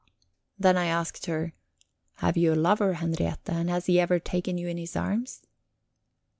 Then I asked her: "Have you a lover, Henriette, and has he ever taken you in his arms?"